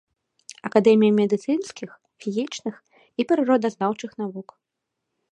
Акадэмія медыцынскіх, фізічных і прыродазнаўчых навук.